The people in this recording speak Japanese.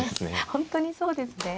本当にそうですね。